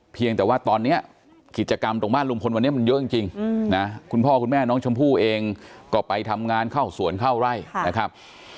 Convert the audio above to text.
เพียงแต่ว่าตอนนี้กิจกรรมตรงบ้านลุงพลวันนี้มันเยอะจริงนะคุณพ่อคุณแม่น้องชมพู่เองก็ไปทำงานเข้าสวนเข้าไร่นะครับ